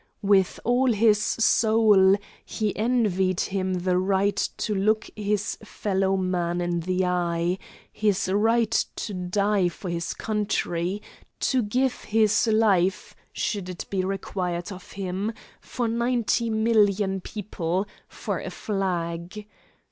With all his soul he envied him the right to look his fellow man in the eye, his right to die for his country, to give his life, should it be required of him, for ninety million people, for a flag.